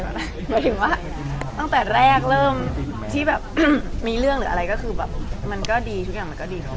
หมายถึงว่าตั้งแต่แรกเริ่มที่แบบมีเรื่องหรืออะไรก็คือแบบมันก็ดีทุกอย่างมันก็ดีเนอะ